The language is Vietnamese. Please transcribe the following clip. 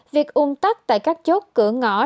việc ung tắt tại các chốt cửa ngọn